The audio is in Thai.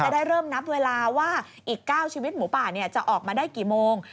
ได้เริ่มนับเวลาว่าอีก๙ชีวิตหมูป่าจะออกมาได้กี่โมง